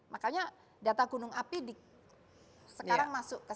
makanya data gunung api sekarang masuk ke